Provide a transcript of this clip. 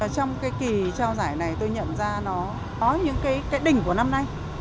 trong cái kỳ trao giải này tôi nhận ra nó có những cái đỉnh của năm nay